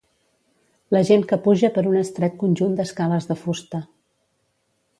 La gent que puja per un estret conjunt d'escales de fusta.